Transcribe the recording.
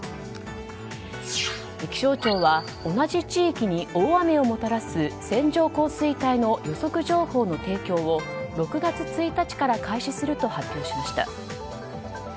気象庁は同じ地域に大雨をもたらす線状降水帯の予測情報の提供を６月１日から開始すると発表しました。